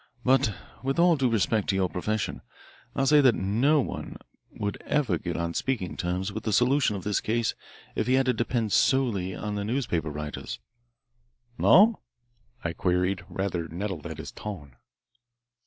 "But, with all due respect to your profession, I'll say that no one would ever get on speaking terms with the solution of this case if he had to depend solely on the newspaper writers." "No?" I queried, rather nettled at his tone.